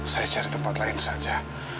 saya cari tempat lain saja